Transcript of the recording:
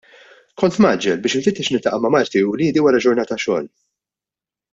Kont mgħaġġel biex infittex niltaqa' ma' marti u wliedi wara ġurnata xogħol.